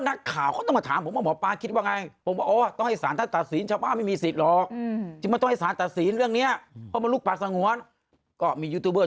เลยเป็นจุดเริ่มต้นคุณกับ